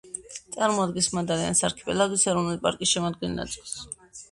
წარმოადგენს მადალენას არქიპელაგის ეროვნული პარკის შემადგენელ ნაწილს.